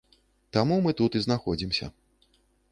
Таму мы тут і знаходзімся.